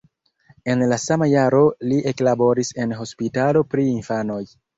En la sama jaro li eklaboris en hospitalo pri infanoj.